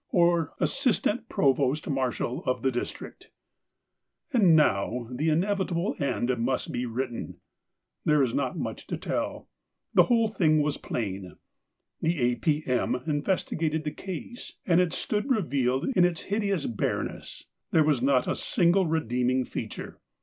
or assistant provost marshal of the district. •••• And now the inevitable end must be written. There is not much to tell ; the whole thing was plain. The A. P.M. investigated the case, and it stood revealed in its hideous bareness. There was not a single redeeming feature.